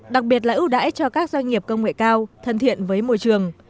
đặc biệt là ưu đãi cho các doanh nghiệp công nghệ cao thân thiện với môi trường